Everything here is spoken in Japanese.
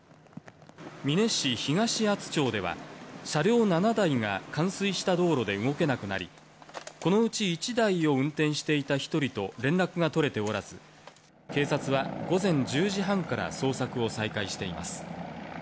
美祢市東厚保町では、車両７台が冠水した道路で動けなくなり、このうち１台を運転していた１人と連絡が取れておらず、警察は午前１０時半から捜索を再開しています。